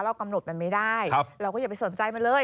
กำหนดมันไม่ได้เราก็อย่าไปสนใจมันเลย